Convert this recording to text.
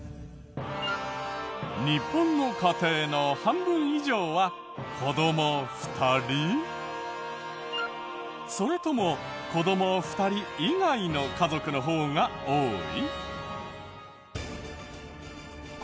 日本の家庭の半分以上はそれとも子供２人以外の家族の方が多い？